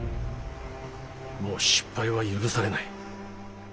もう失敗は許されない。